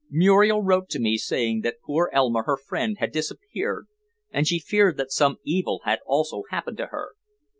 Muriel wrote to me saying that poor Elma, her friend, had disappeared, and she feared that some evil had also happened to her.